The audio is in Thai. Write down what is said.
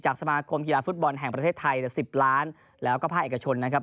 สมาคมกีฬาฟุตบอลแห่งประเทศไทย๑๐ล้านแล้วก็ภาคเอกชนนะครับ